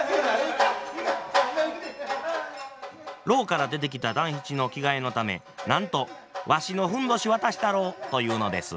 牢から出てきた団七の着替えのためなんと「わしのふんどし渡したろ」と言うのです。